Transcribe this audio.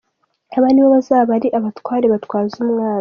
Aba nibo bazaba ari abatware batwaza umwami.